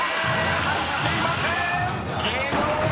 入っていません！］